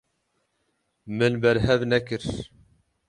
Min berhev nekir.